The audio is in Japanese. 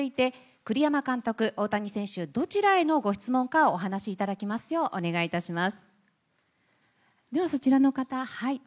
栗山監督、大谷選手どちらへの質問かをおっしゃっていただきますようお願いします。